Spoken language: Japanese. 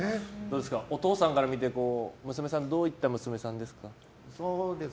お父さんから見てどういった娘さんですか？